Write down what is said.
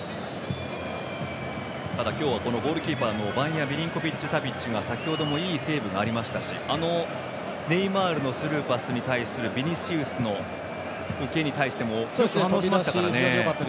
ただ今日はゴールキーパーのバンヤ・ミリンコビッチ・サビッチは先ほどもいいセーブがありましたしネイマールのスルーパスに対するビニシウスの受けに対してもよく反応しましたからね。